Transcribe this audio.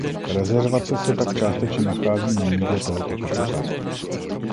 Rezervace se tak částečně nachází na nivě tohoto potoka.